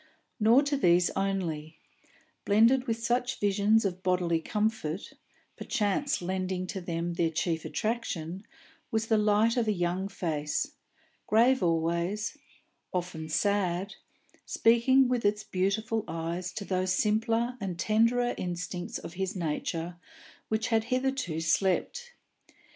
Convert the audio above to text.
Nor to these only; blended with such visions of bodily comfort, perchance lending to them their chief attraction, was the light of a young face, grave always, often sad, speaking with its beautiful eyes to those simpler and tenderer instincts of his nature which had hitherto slept.